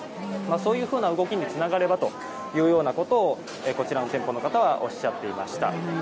そういうふうな動きにつながればということをこちらの店舗の方はおっしゃっていました。